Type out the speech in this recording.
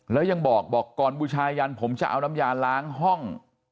แล้วยังบอกบอกก่อนบูชายันผมจะเอาน้ำยาล้างห้อง